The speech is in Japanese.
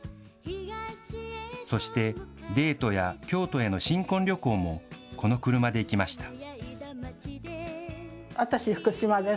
そして、デートや京都への新婚旅行も、この車で行きました。